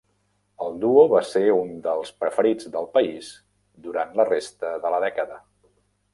El duo va ser un dels preferits del país durant la resta de la dècada.